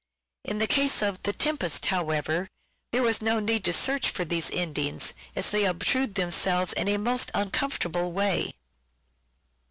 In the case of " The Tempest," however, there is no need to search for these endings : they obtrude themselves in a most uncomfortable way.